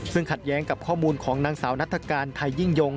ซึ่งขัดแย้งกับข้อมูลของนางสาวนัฐกาลไทยยิ่งยง